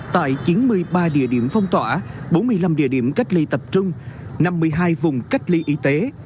tại chín mươi ba địa điểm phong tỏa bốn mươi năm địa điểm cách ly tập trung năm mươi hai vùng cách ly y tế